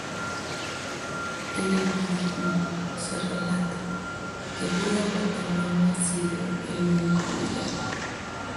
En el budismo se relata que Buda Gautama no ha sido el único buda.